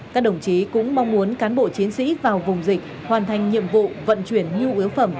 các đồng chí cũng mong muốn cán bộ chiến sĩ vào vùng dịch hoàn thành nhiệm vụ vận chuyển nhu yếu phẩm